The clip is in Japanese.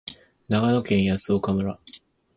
長野県泰阜村